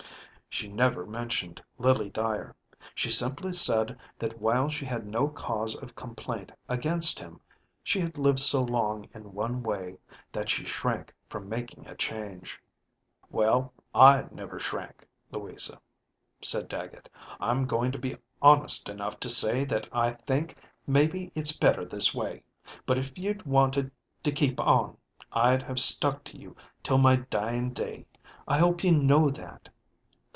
She never mentioned Lily Dyer. She simply said that while she had no cause of complaint against him, she had lived so long in one way that she shrank from making a change. ďWell, I never shrank, Louisa," said Dagget. ďI'm going to be honest enough to say that I think maybe it's better this way; but if you'd wanted to keep on, I'd have stuck to you till my dying day. I hope you know that."